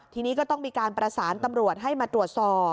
ทีนี้ก็ต้องมีการประสานตำรวจให้มาตรวจสอบ